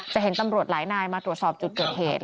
เห็นตำรวจหลายนายมาตรวจสอบจุดเกิดเหตุ